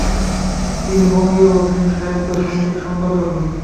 তিনি বঙ্গীয় মুসলিম সাহিত্য সমিতির সম্পাদক হন।